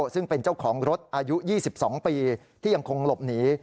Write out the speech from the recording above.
ซึ่งเป็นเจ้าของรถอายุ๒๒ปีที่ยังคงหลบหนี